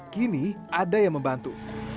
kini ada yang membantu